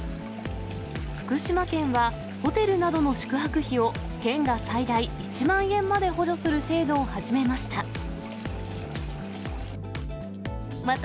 福島県は、ホテルなどの宿泊費を県が最大１万円まで補助する制度を始めました。